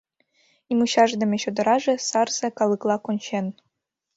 Нимучашдыме чодыраже сарзе калыкла кончен.